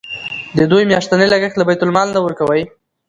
د دوی میاشتنی لګښت له بیت المال نه ورکوئ.